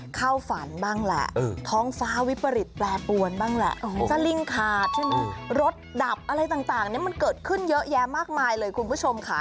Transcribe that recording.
เข้าฝันบ้างแหละท้องฟ้าวิปริตแปรปวนบ้างแหละสลิงขาดใช่ไหมรถดับอะไรต่างเนี่ยมันเกิดขึ้นเยอะแยะมากมายเลยคุณผู้ชมค่ะ